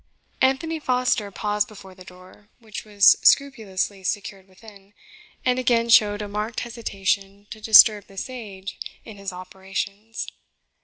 Anthony Foster paused before the door, which was scrupulously secured within, and again showed a marked hesitation to disturb the sage in his operations.